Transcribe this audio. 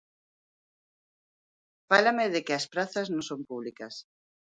Fálame de que as prazas non son públicas.